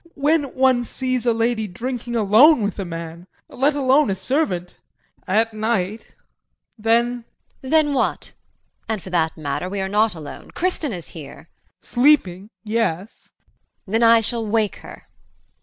When one sees a lady drinking alone with a man let alone a servant at night then JULIE. Then what? And for that matter, we are not alone. Kristin is here. JEAN. Sleeping! Yes. JULIE. Then I shall wake her.